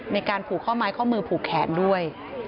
ในการผูกข้อไม้ข้อมือผูกแขนด้วย